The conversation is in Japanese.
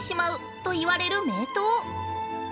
と言われる名湯。